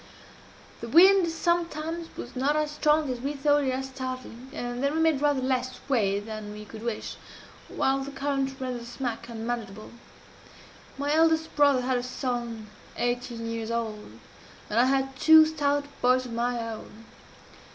The wind sometimes was not as strong as we thought it at starting, and then we made rather less way than we could wish, while the current rendered the smack unmanageable. My eldest brother had a son eighteen years old, and I had two stout boys of my own.